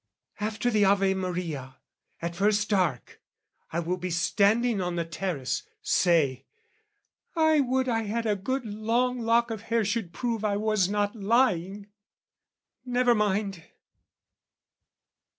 "After the Ave Maria, at first dark, "I will be standing on the terrace, say! "I would I had a good long lock of hair "Should prove I was not lying! Never mind!"